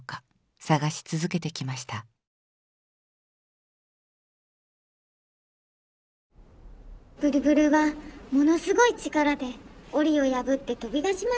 「ブルブルはものすごいちからでおりをやぶってとびだしました。